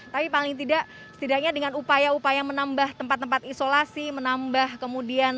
tapi paling tidak setidaknya dengan upaya upaya menambah tempat tempat isolasi menambah kemudian